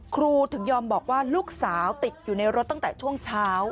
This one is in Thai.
ครูถึงยอมบอกว่าลูกสาวติดอยู่ในรถตั้งแต่ช่วงเช้า